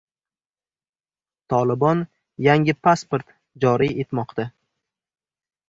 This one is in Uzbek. Tolibon yangi pasport joriy etmoqda